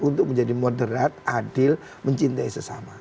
untuk menjadi moderat adil mencintai sesama